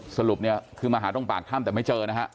สรุปเนี่ยคือมาหาตรงปากถ้ำแต่ไม่เจอนะฮะ